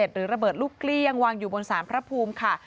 หรือระเบิดลูกเกลี้ยงวางอยู่บนสารพระภูมิค่ะ